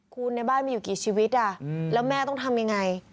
คุณในบ้านมีอยู่กี่ชีวิตแล้วแม่ต้องทำยังไง